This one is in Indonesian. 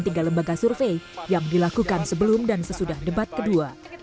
tiga lembaga survei yang dilakukan sebelum dan sesudah debat kedua